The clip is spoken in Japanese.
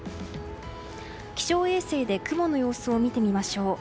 気象衛星で雲の様子を見てみましょう。